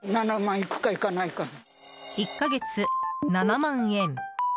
１か月７万円。